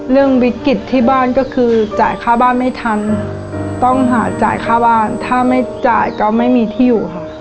เรื่องวิกฤตที่บ้านก็คือจ่ายค่าบ้านไม่ทันต้องหาจ่ายค่าบ้านถ้าไม่จ่ายก็ไม่มีที่อยู่ค่ะ